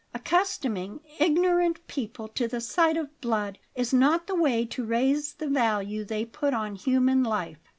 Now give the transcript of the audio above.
Accustoming ignorant people to the sight of blood is not the way to raise the value they put on human life."